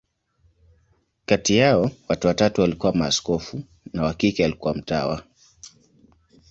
Kati yao, watatu walikuwa maaskofu, na wa kike alikuwa mtawa.